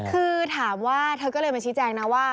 คือถามว่าเธอก็เลยมาชี้แจงนะว่า